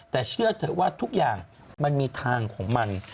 แต่เชื่อเถอะว่าทุกอย่างมันมีทางของมัน